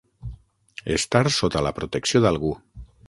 Estar sota la protecció d'algú.